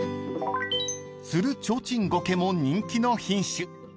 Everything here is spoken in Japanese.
［ツルチョウチンゴケも人気の品種］